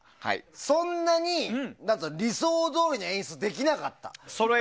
そんなに、理想どおりの演出ができなかった。